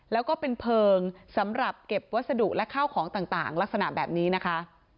แล้วก็เป็นเพลิงสำหรับเก็บวัสดุและข้าวของต่างลักษณะแบบนี้นะคะ